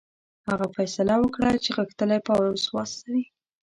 هغه فیصله وکړه چې غښتلی پوځ واستوي.